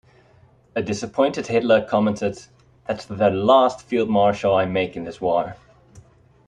A disappointed Hitler commented, That's the last field marshal I make in this war!